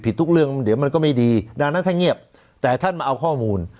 ทุกเรื่องเดี๋ยวมันก็ไม่ดีดังนั้นถ้าเงียบแต่ท่านมาเอาข้อมูล